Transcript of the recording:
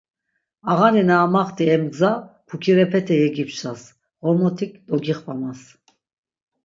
Ağani na amaxti em gza pukirepete yegipşas, Ğormotik dogixvamas.